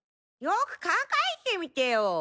よくカンカえてみてよ。